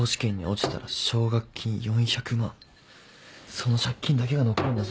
その借金だけが残るんだぞ。